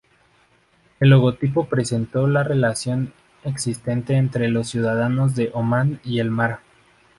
El logotipo representó la relación existente entre los ciudadanos de Omán y el mar.